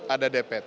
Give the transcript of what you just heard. ada dpt dptb dan dpk